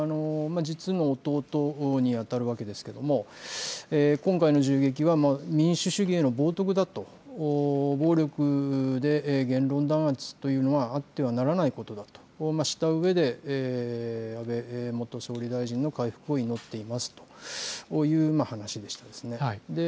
実の弟にあたるわけですけれども今回の銃撃は民主主義への冒とくだと、暴力で言論弾圧というのはあってはならないことだとしたうえで安倍元総理大臣の回復を祈っていますという話でした。